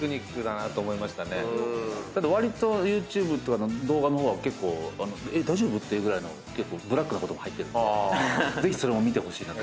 わりとＹｏｕＴｕｂｅとか動画の方は大丈夫⁉っていうぐらいの結構ブラックなことも入ってるんでぜひそれも見てほしいなって。